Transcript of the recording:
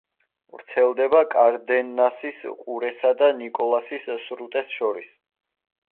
ვრცელდება კარდენასის ყურესა და ნიკოლასის სრუტეს შორის.